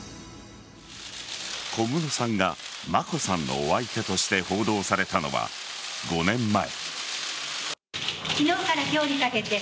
小室さんが眞子さんのお相手として報道されたのは５年前。